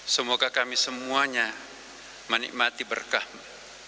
semoga kami semuanya menikmati berkahmu